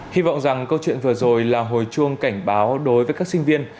hy vọng rằng câu chuyện vừa rồi là hồi chuông cảnh báo đối với các sinh viên